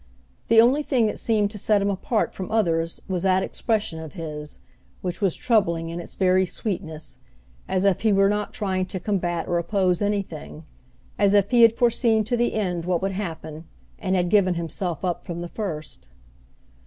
The only thing that seemed to set him apart from others was that expression of his, which was troubling in its very sweetness, as if he were not trying to combat or oppose anything; as if he had foreseen to the end what would happen, and had given himself up from the first.